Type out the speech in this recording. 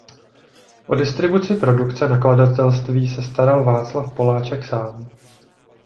O distribuci produkce nakladatelství se staral Václav Poláček sám.